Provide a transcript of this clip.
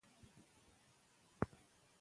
مونږ لګیا یو چای څکو.